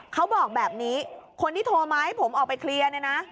เขาบอกแบบนี้คนที่โทรมาให้ผมออกไปเคลียร์เนี่ยนะ